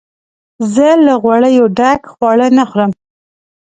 زه له غوړیو ډک خواړه نه خورم.